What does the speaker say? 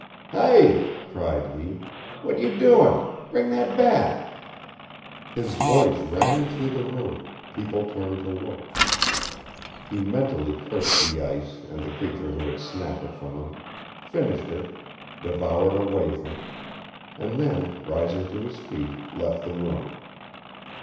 "Hi," cried he. "What you doing? Bring that back." His voice rang through the room, people turned to look. He mentally cursed the ice and the creature who had snapped it from him, finished it, devoured a wafer, and then, rising to his feet, left the room.